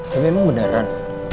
tapi emang beneran